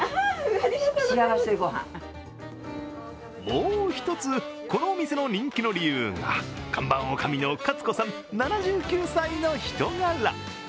もう一つ、このお店の人気の理由が看板おかみの勝子さん７９歳の人柄。